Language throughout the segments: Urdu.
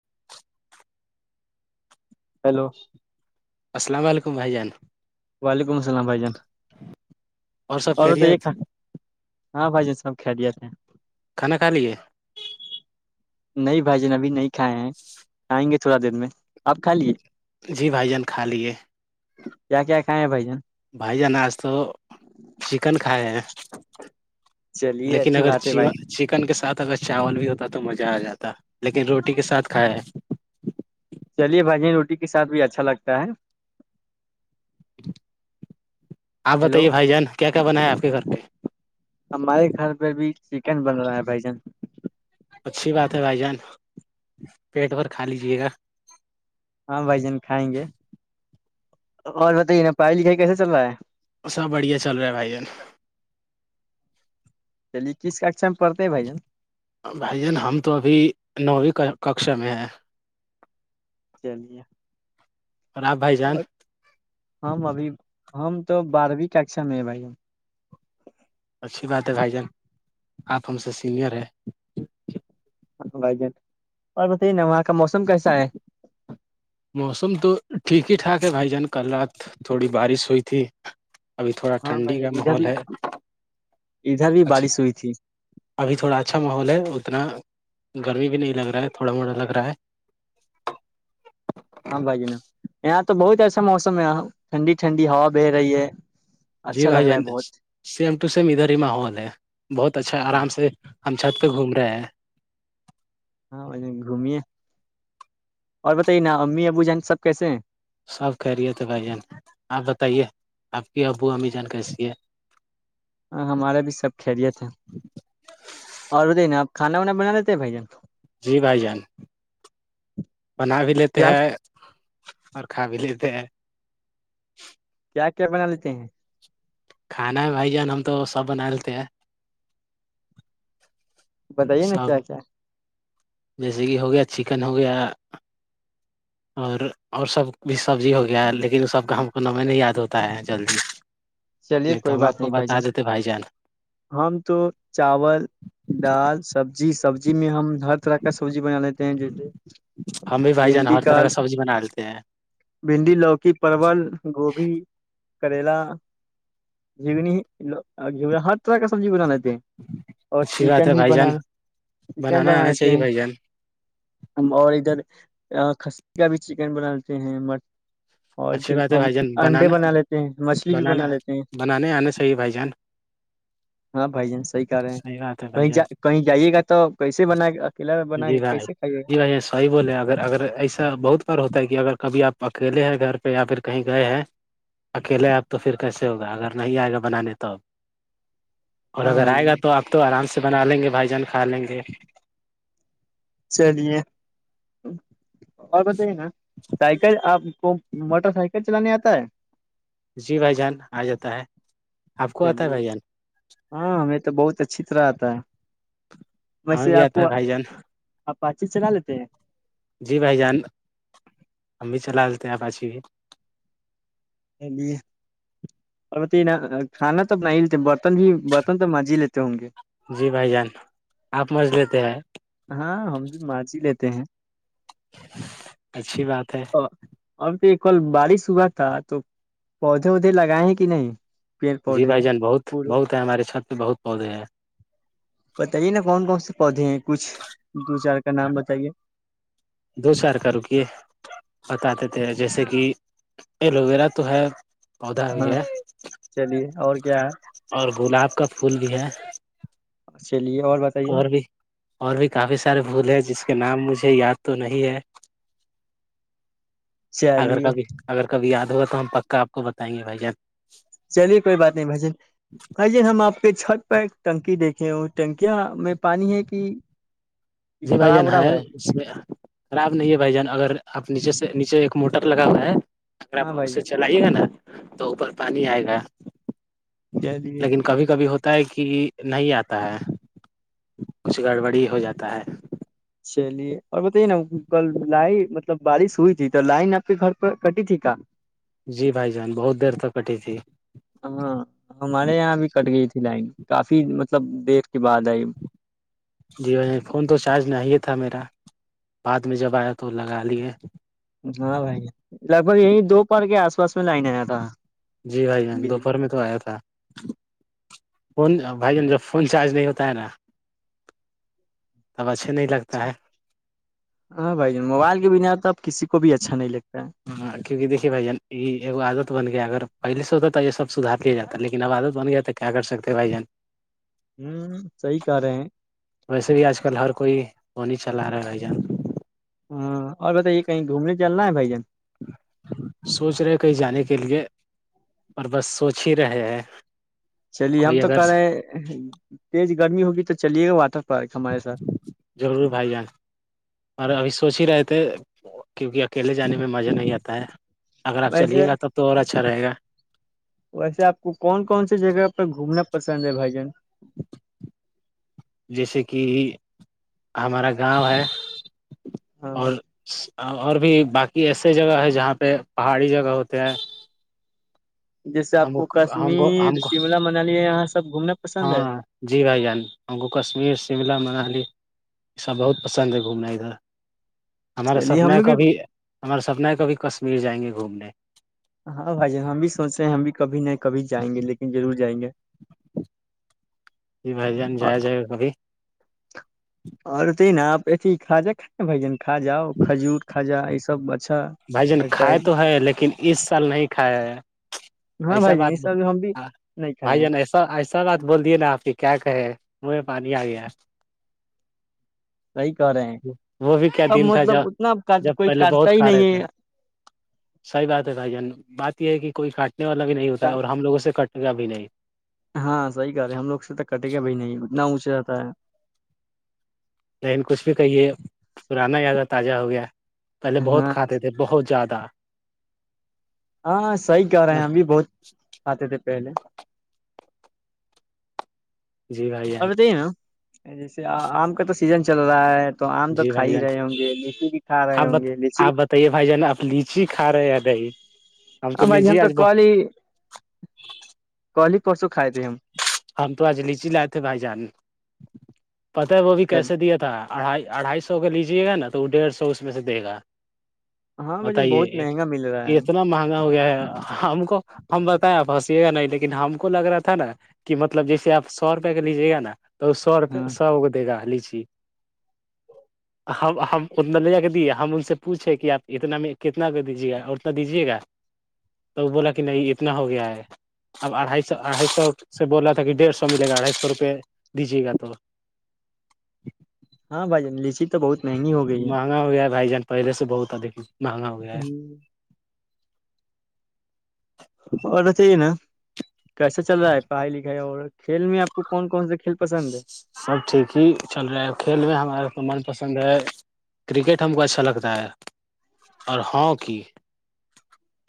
[inaudible] ہیلو [unintelligible] السلام علیکم بھائی جان وعلیکم السلام بھائی جان اور سب بتائیے خیریت کھا ہاں بھائی جن سب کھ دیا تھ ہیں کھانا کھا لیے نہیں بھائی جن ابھی نہیں کھ ہیں کائیں گے تھوڑا دیر میں آپ کھا لیے جی بھائی جان کھا لیے کیا کیا کھائے ہیں بھائی جن بھائی جانا آج تو چکن کھائے ہیں چلیے لیکن اچھی اگر بات ہے بھائی چ چکن کے ساتھ اگر چاول بھی ہوتا تو مزہ آ جاتا لیکن روٹی کے ساتھ کھائے چلیے بھجیا روٹی کے ساتھ بھی اچھا لگتا ہے آپ ہیلو بتائیے بھائی جان کیا کیا بنا ہے آپ کے گھر پہ ہمارے گھر پہ بھی چکن بن رہا ہے بھائی جن اچھی بات ہے بھائی جان پیٹ بھر کھا لیجیے گا ہاں بھائی جان کھائیں گے اور بتائیے نا پڑھائی لکھائی کیسے چل رہا ہے سب بڑھیا چل رہا ہے بھائی جان چلیے کس کاشم بھائی جان ہم تو ابھی نوویں ککشا میں ہے چلیے راب بھائی جان اور ہم ابھی ہم تو بارہویں ککشا میں ہے بھائی ہم اچھی بات ہے بھائی جان آپ ہم سے سینئر ہے بھائی جان اور بتائیے نا وہاں کا موسم کیسا ہے موسم تو ٹھیک ہی ٹھاک ہے بھائی جان کل رات تھوڑی بارش ہوئی تھی ابھی تھوڑا ہاں بھائی ٹھنڈی کا جان ادھر ماحول بھی ہے ادھر بھی بارش ہوئی تھی ابھی تھوڑا اچھا ماحول ہے اتنا گرمی بھی نہیں لگ رہا ہے تھوڑا موٹا لگ رہا ہے ہاں بھائی ج ن یہاں تو بہت ایسا موسم ہے ٹھنڈی ٹھنڈی ہا بہ رہی ہے جی اچھا لگ بھائی ج رہا ہے بہت سیم ٹو سیم ادھر ہی ماحول ہے بہت اچھا آرام سے ہم چھت پہ گھوم رہے ہیں ہاں گھمیے اور بتائیے نا امی ابو جان سب کیسے ہیں سب کہہ رہیے تھے بھائی جان آپ بتائیے آپ کی ابو امی جان کیسی ہے ہاں ہمارا بھی سب خیریت ہے اور بتائی نا آپ کانا وانا بنا دیتے ہیں بائی جان جی بھائی جان بنا بھی لیتے کیا ہیں اور کھا بھی لیتے ہیں [unintelligible] کیا کیا بنا لیتے ہیں کھانا ہے بھائی جان ہم تو سب بنا لیتے ہیں بتائیے نا سب کیا کیا جیسے کہ ہو گیا چکن ہو گیا اور اور سب بھی سبزی ہو گیا لیکن سب کا ہم کو نمیں نہیں یاد ہوتی ہے جلدی چلیے نہیں تو کوئی ہم آپ بات کو نہیں بھائی بتا جن دیتے بھائی جان ہم تو چاول دال سبزی جی سبزی میں ہم ہر طرح کا سبزی بنا لیتے ہیں جیسے ہم بھی بھائی جان بھنڈی ہر طرح کا سبزی بنا لیتے ہیں بھنڈی لوکی پرول گوبھی کریلا جنی ہر طرح کا سبزی بنانا اور اچھی بات چکن ہے بھی بھائی بنا جان چکن بنانا بنا آنا لیتے چاہیے بھائی جان ہیں اور ادھر کسیی کا بھی چکن بناتے ہیں مر اور اچھی بات ہے بھائی جان انڈے بنانا بنا لیتے ہیں مچھلی بھی بنانا بنا لیتے ہیں بنانے آنا صحیح بھائی جان ہاں بھائی جان کہہ رہے ہیں صحیح بات ہے بھائی کہیں جان جا کہیں جائیے گا تو کیسے بنا کے اکیلا بنا جی کے بھائی کیسے کھائیے جی گا بھائی ج صیح بولے اگر اگر ایسا بہت بار ہوتا ہے کہ اگر کبھی آپ اکیلے ہیں گھر یا پھر کہیں گئے ہیں اکیلے آپ تو پھر کیسے ہوگا اگر نہیں آئے گا بنانے تو اب اور ہاں اگر بھائی آئے گا جان تو آپ تو آرام سے بنا ل گے بھائی جان کو کھا لیں گے چلیے ا [inaudible] اور بتائیے نا سائیکل آپ کو موٹر سائیکل چلانے آتے تائ [unintelligible] جی بھائی جان آ جاتا ہے آپ کو آتا ہے چلیے بھائی جان ہاں ہمیں تو بہت اچھی طرحتا ہ بھی آتا بھائی جان آپ پاچیس سے نہ لیتے جی بھائی جان ہم بھی چلا لیتے ہیں آپاچی بھی چ اور بتے نا کھانا تو بنا ہی لیتے برتن بھی برتن تو مانج ہی لیتے ہوں گے جی بھائی جان آپ مجھ لیتے ہیں ہاں ہم بھی مارچی لیتے ہیں اچھی بات ہے اب تو کل بارش ہوا تھا تو پودے اودے لگائے ہیں کہ نہیں پیڑ جی پودے بھائی جان بہت پھول بہت ہے ہمارے سات بہت پودے ہیں بتائیے نا کون کون سے پودے کچھ دو چار کا نام بتائیے دو چار کا رکیے بتات دی تھے جیسے کہ ایلوویرا تو ہے پودا ہو ہاں ہے چلیے اور کیا ہے اور گلاب کا پھول بھی ہے چلیے اور بتائیے اور بھی کافی سارے پھول ہیں جس کے نام مجھے یاد تو نہیں ہے اگر چلیے کبھی اگر کبھی یاد ہوا تو ہم پکاپ کو بتائیں گے بھائی جان چلیے کوئی بات نہیں بھائی جن بھائی جن ہم آپ کے چھٹ ٹنکی دیکھے ہ ٹنکیاں میں پانی ہے کہ کہ جی بھائی خراب جان وراب ہے اس میں خراب نہیں ہے بھائی جان اگر آپ نیچے سے نیچے ایک موٹر لگا ہوا ہے اا ہاں پا بھائی سے چلائیے گا نا تو اوپر پانی آئے گا جان چلیے لیکن کبھی کبھی ہوتا تا ہے کہ نہیں آتا ہے کچھ گڑبڑ ہی ہو جاتا ہے چلیے اور بتے نا کل لائن مطلب بارش ہوئی تھی تو لائن آپ کے گھر پر کٹی تھی کیا جی بھائی جان بہت دیر تک کٹی تھی ہاں ہمارے یہاں ا بھی کٹ گئی تھی لائن کافی مطلب دیر کے بعد آئی جی وہ فون تو چارج نہیں تھا میرا بعد میں جب آیا تو لگا لیے ہاں بھائی لگ بھگ یہیں دو پر کے آ [inaudible] جی بھائی دوپہر میں تو آیا تھا فون بھائی جان جب فون چارج نہیں ہوتا ہے ا تب اچھا ہاں بھائی جان موبائل کے بنا آ تو آپ کسی کو بھی اچھا نہیں لگتا ہے ہاں کیونکہ دیکے بھائی جان یہ آدت بن گیا اگر پہلے سے ہوتا تو یہ سب سدار کیا جاتا ہے لیکن عبادت بن گیا تو کیا کر سکتے بھائی جان ہوں صحی کہ رہے ہیں پانی چلا رہے ہے جان ہاں اور بتائیے کہیں گھومنے چلنا ہے بھائی جان سوچ رہے کہیں جانے کے لیے پر بس سوچ ہی رہے ہیں چلیے ہم کوئی تو اگر کر رہے ہیں تیز گرمی ہوگی تو چلیے گا واتر بھائی جان اور اس سوچ ہی رہے تھے کیونکہ اکیلے جانے میں مزہ نہیں آتا ہے اگر آپ چلیے ویسے گا تب تو اور اچھا رہے گا ویسے آپ کو کون کون سی جگہ پر گھومنا پسند ہے بھائی جان جیسے کہ ہمارا گاؤں ہے ہاں اور اور بھی باقی ایسے جگہ ہے جہاں پہ پہاڑی جگہ ہوتے ہیں جیسے آپ ہم کو ہم کو ہم کشمیر کو شملہ منالی یہاں سب گھومنا پسند ہے ہاں جی بھائی جان ان کوو کشمیر شملہ میں یہ سب بہت پسند ہے گھومنادھر ہمارا چلیے سپنا ہے ہمیں بھی کبھی ہمارا سپنا ہے کبھی کشمیر جائیں گے گھومنے ہاں بھائی جان ہم بھی سوچ رہے ہیں ہم بھی کبھی نہ کبھی جائیں گے لیکن ضرور جائیں گے جی بھائی جان اور جیا جائے گا کبھی ا خجا کا بجن کجا کھجور کجا یہ سب [unintelligible] بھائی جان کھائے تو ہے لیکن اس سال نہیں کھائے ہے ہاں ایسا بھائی جن یہ سبب ہم بھی نہیں کھائے ہیں سر بات بول دیے نا آپ کی کیا کہے مہے پانی آ گیا صی کہ رہے ہیں وہ بھی کیا اب دن تھا مطلب جب اتنا کاٹ جب کوئی پہلے کاٹتا بہت ہی کھا نہیں رہے ہے تھے ج [inaudible] صحیح بات ہے بھائی جان بات یہ ہے کہ کوئی کٹ والا بھی نہیں ہوتا ہے اور ہم لگوں سے کٹ ا بھی نہیںائی ہاں صحیح رہ ہے ہم لوگ سے تک کٹے گ بھائی نہیں نہ اونچے آتا ہے لیکن کچھ بھی کہیے پرانا یاد آ تازہ ہو گیا پہلے بہت ہاں کھاتے تھے بہت زیادہ ہاں صحی کہ رہے ہیں ہمب بھی بہت کھاتے تھے پہلے جی بھائی جان اور بتائیے نا جیسے آم کا تو سیزن چل رہا ہے تو آم تو جی کھا بھائی ہی جان رہے ہوں گے لیچی بھی کھا رہے آپ ب ہوں گے لیچی آپ بتائیے بھائی جان آپ لیچی کھا رہے ہیں بائی ہمب تو ہاں بھائی لیچی ہم آج بہت کل ہی پر سو کائے تے ہمم ہم تو آج لیچی لائے تھے بھائی جان پت ہے وہ بھی چل کیسے دیا تھا اڑھائی اڑھائی سو کا لیجیے گا نا تو وہ ڈیڑھ سو اس میں سے دے گا ہاں بھائی بہت بتائیے مہنگا مل رہا ہے اتنا مہنگا ہو گیا ہے ہم کو ہم بتائیں آپھنسیے گا نہیں لیکن ہم کو لگ رہا تھا نا کہ مطلب جیسے آپ سو روپئے کا لیجیے گا نا تو سو روپئے ہاں سو کووے گا ہم اتنا لے جا کے دیے ہم ان سے پوچھے کہ آپ اتنا میں کتنا دیجے گا اتنا دیجیے گا تو بولا کہ نہیں اتنا ہو گیا ہے اب اڑھائی سو اھائی سو سے بول رہا تھا کہ ڈیڑھ سو ملے گا ا ڈھائی سو روپے دیجے گا تو ہاں بھائی جان لیچی تو بہت مہنگی ہو گئی مہنگا ہو گیا بھائی جان پہلے سے بہت ادھی مہنگا ہو گیا ہے آڈر چاہی نا کیسا چل رہا ہے پڑھائی لکھائی اور کھیل میں آپ کون کون سے کھیل پسند ہے سب ٹھیک ہی چل رہا ہے کھیل میں ہمارے من پسند ہے کرکٹ ہم کو اچھا لگتا ہے اور ہاکی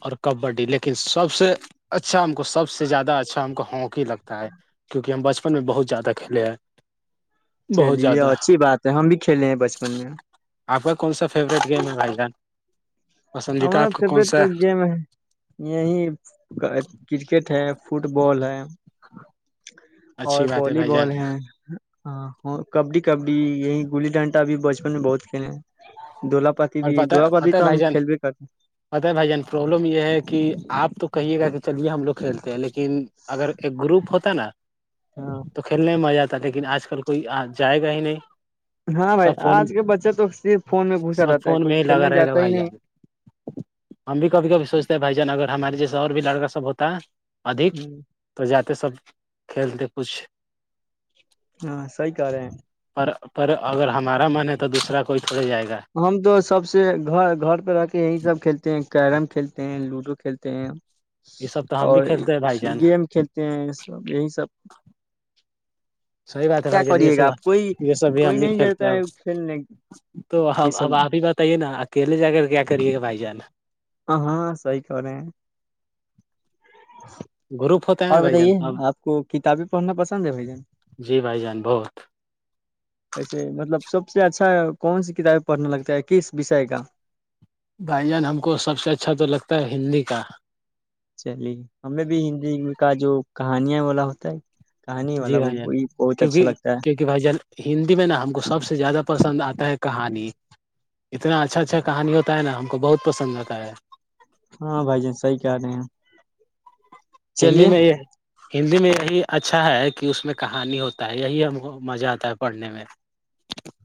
اور کبڈی لیکن سب سے اچھا ہم کو سب سے زیادہ اچھا ہم کو ہاکی لگتا ہے کیونکہ ہم بچپن اوپن میں بہت زیادہ کھیلے ہیں بہت چلیے زیادہ اچھی بات ہے ہم بھی کھیلے ہیں بچپن میں آپ کا کون سا فیوریٹ گیم ہے بھائی جان پسندیدہ ہمارا آپ کا کون فیورٹ تو سا گیم ہے یہی کرکٹ ہے فٹ بال ہے اور اچھی بات ہے والی بھائی جان بال ہے ہاں کبڈی کبڈی یہ گلی ڈانٹی آ بھی بچن میں بہت کھیلے ہیں دولا پاتی اور بھی پتہ دولا پاتی پتہ ہے تو بھائی ہم جان کھیلبے کرتے پتہ ہے بھائی جان پروابلم یہ ہے کہ آپ تو کہیے گا کہ چلیے ہم لوگ کھیلتے ہیں لیکن ن اگر ایک گروپ ہوتا ہے نا ہاں تو کھیلنے میں مزہ آتا لیکن آج کل کوئی جائے گا ہی نہیں ہاں بھائی سب فون آج کے بچے تو صرف فون میں گ سب فون میں ہی لگا رہے گا بھائی جان ہم بھی کبھی کبھی سوچتے ہیں بھائی جان اگر ہمارے جیسے اور بھی لڑکا سب ہوتا ادھک ہ تو جا تے سب کھیلتے کوچھ ہاں صحیح کہہ رہے ہیں پر اگر ہمارا من ہے تو دوسرا کوئی تھوڑے جائے گا ہم تو سب سے گھر گھر پہ رہ کے یہی سب کھیلتے ہیں کییرم کھیلتے ہیں لوڈو کھیلتے ہیں یہ سب تو ہم اور بھی کھیلتے ہیں بھائی جان گیم کھیلتے یہ سب یہی سب صحیح بات ہے کیا بھائی جان یہ کریے گا آپ کوئی سب یہ سب بھی کوئی ہم بھی نہیں کھیلتے جاتا ہیں اور ہے کھیلنے یہ توب سب اب آپ ہی بتائیے نا اکیلے جا کر کیا کریے گا بھائی جان ہاں ہاں صحیح کہہ رہے ہیں گروپ ہوتا ہے نا اور بھائی جان بتائیے اب آپ کو کتابیں پڑھنا پسند ہے بھائی جان جی بھائی جان بہت ویسے مطلب سب سے اچھا کون سی کتابیں پڑھنے لگتا ہے کس وشے کا بھائی جان ہم کو سب سے اچھا تو لگتا ہے ہندی کا چلیے ہمیں بھی ہندی کا جو کہانیاں بوالا ہوتا ہے کہانی والا جی وہ بھائی جان بہت اچھا کیونکہ لگتا ہے کیونکہ بھائی جان ہندی میں نا ہم کو سب سے زیادہ پسند آتا ہے کہانی اتنا اچھا اچھا کہانی ہوتا ہے نا ہم کو بہت پسند آتا ہے ہاں بھائی جان صحی کہہ رہے ہیں ہندی چلیے میں یہ ہندی میں یہی اچھا ہے کہ اس میں کہانی ہوتا ہے یہی ہم کو مزہ آتا ہے پڑھنے میں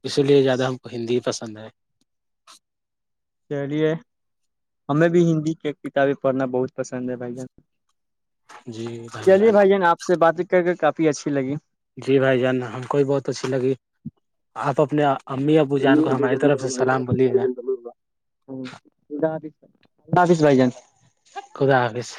اسی لیے زیادہ ہم کو ہندی ہی پسند ہے چلیے ہمیں بھی ہندی کے کتابیں پڑھنا بہت پسند ہے بھائی جان جی چلیے جان بھائی ج نے آپ سے بات کر کے کافی اچھی لگی جی بھائی جان ہم کو بھی بہت اچھی لگی آپ اپنے امی ابو جان کو ہماری طرف سے سلام بولیے گا ش بائی جان خدا حافظ